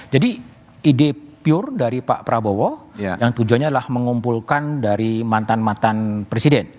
jadi ide pure dari pak prabowo yang tujuannya adalah mengumpulkan dari mantan mantan presiden